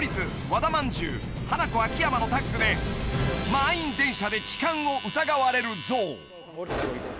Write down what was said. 和田まんじゅうハナコ・秋山のタッグで「満員電車で痴漢を疑われるゾウ」